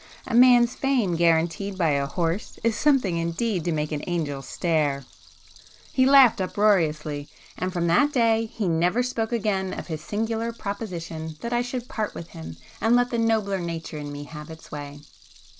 A man's fame guaranteed by a horse, is something indeed to make an angel stare!" He laughed uproariously, and from that day he never spoke again of his singular proposition that I should 'part with him,' and let the "nobler" nature in me have its way.